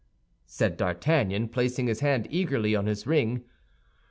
said D'Artagnan, placing his hand eagerly on his ring.